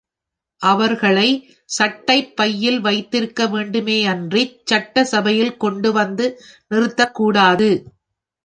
அவர்களைச் சட்டைப் பையில் வைத்திருக்க வேண்டுமேயன்றிச் சட்டசபையில் கொண்டு வந்து நிறுத்தக் கூடாது.